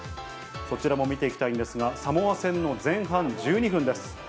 そちらも見ていきたいんですが、サモア戦の前半１２分です。